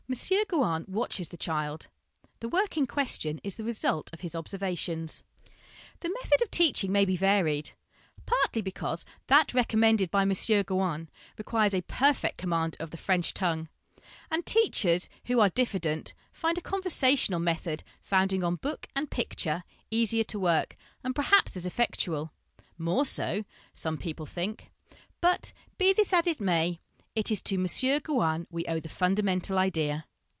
Gouin watches the child the work in question is the result of his observations. The method of teaching may be varied, partly because that recommended by M. Gouin requires a perfect command of the French tongue, and teachers who are diffident find a conversational method founded on book and picture l easier to work and perhaps as effectual more so, some people think ; but, be this as it may, it is to M. Gouin we owe the fundamental idea.